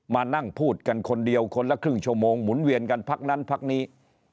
มานั่งพูดกันคนเดียวคนละครึ่งชั่วโมงหมุนเวียนกันพักนั้นพักนี้